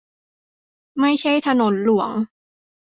ไม่ใช่ถนนหลวง